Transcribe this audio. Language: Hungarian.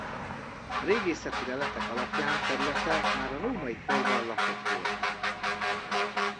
A régészeti leletek alapján területe már a római korban lakott volt.